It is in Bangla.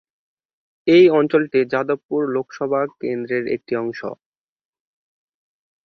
এই অঞ্চলটি যাদবপুর লোকসভা কেন্দ্রর একটি অংশ।